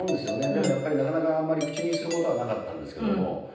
でもやっぱりなかなかあまり口にする事はなかったんですけども。